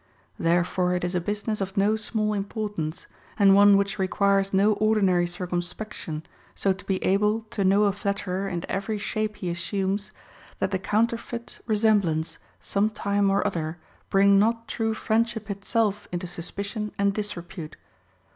Therefore it is a business of no small ο importance, and one which requires no ordinary circum spection, so to be able to know a flatterer in every shape he assumes, that the counterfeit resemblance some time or other bring not true friendship itself into suspicion and dis repute.